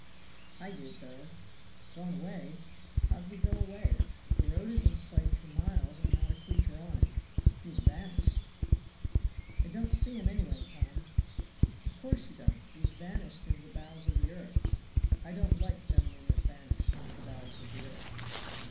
"I did, though. Gone away? How could he go away? The road is in sight for miles, and not a creature on it. He is vanished." "I don't see him anyway, Tom." "Of course you don't, he is vanished into the bowels of the earth. I don't like gentlemen that vanish into the bowels of the earth."